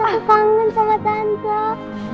aku kangen sama tante